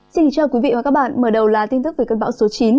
xin kính chào quý vị và các bạn mở đầu là tin tức về cơn bão số chín